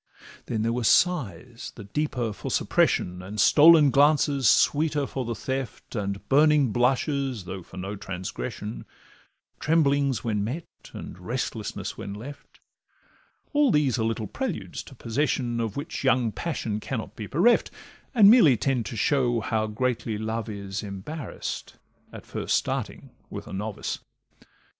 Then there were sighs, the deeper for suppression, And stolen glances, sweeter for the theft, And burning blushes, though for no transgression, Tremblings when met, and restlessness when left; All these are little preludes to possession, Of which young passion cannot be bereft, And merely tend to show how greatly love is Embarrass'd at first starting with a novice.